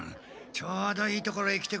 ちょうどいいところへ来てくれた。